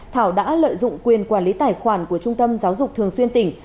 thảo đã lợi dụng quyền quản lý tài khoản của trung tâm giáo dục thường xuyên tỉnh